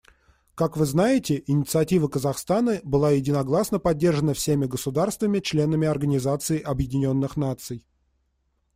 Как вы знаете, инициатива Казахстана была единогласно поддержана всеми государствами — членами Организации Объединенных Наций.